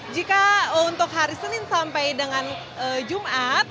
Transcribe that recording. jika untuk hari senin sampai dengan jumat